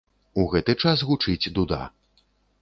У гэты час гучыць дуда.